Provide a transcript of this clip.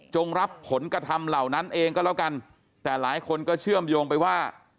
รับผลกระทำเหล่านั้นเองก็แล้วกันแต่หลายคนก็เชื่อมโยงไปว่า